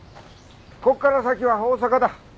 ここから先は大阪だ。